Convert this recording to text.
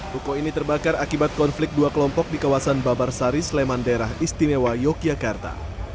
ruko ini terbakar akibat konflik dua kelompok di kawasan babarsari sleman daerah istimewa yogyakarta